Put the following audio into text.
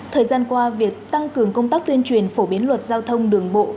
thời gian qua việc tăng cường công tác tuyên truyền phổ biến luật giao thông đường bộ